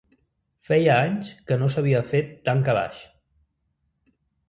Feia anys que no s'havia fet tan calaix